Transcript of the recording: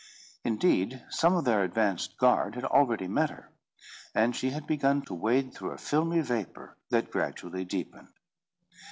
Indeed, some of their advanced guard had already met her, and she had begun to wade through a filmy vapour that gradually deepened.